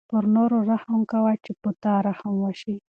پر نورو رحم کوه چې په تا رحم وشي.